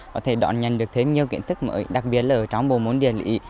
có thể đón nhận được thêm nhiều kiện thức mới đặc biệt là ở trong bồ môn địa lị